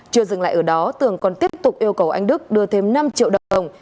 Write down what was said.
chưa dừng lại ở đó tường còn tiếp tục yêu cầu anh đức đưa thêm năm triệu đồng